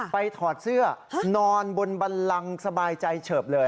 ถอดเสื้อนอนบนบันลังสบายใจเฉิบเลย